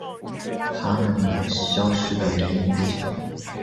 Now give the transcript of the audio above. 它们消失的原因不详。